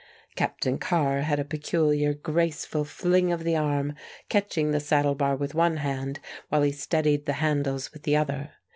Captain Carr had a peculiar, graceful fling of the arm, catching the saddle bar with one hand while he steadied the handles with the other.